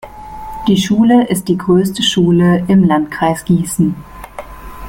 Die Schule ist die größte Schule im Landkreis Gießen.